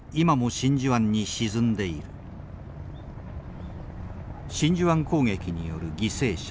真珠湾攻撃による犠牲者